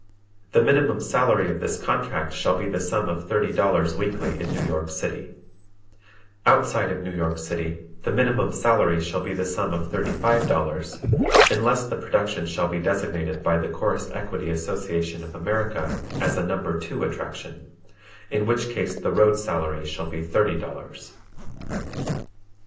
The minimum salary of this contract shall be the sum of Thirty ($30) Dollars weekly in New York City; outside of New York City the minimum salary shall be the sum of Thirty five ($35) Dollars, unless the production shall be designated by the Chorus Equity Association of America, as a Number 2 attraction, in which case the road salary shall be Thirty ($30) Dollars.